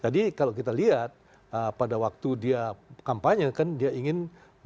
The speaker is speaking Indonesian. jadi kalau kita lihat pada waktu dia kampanye kan dia ingin melakukan perusahaan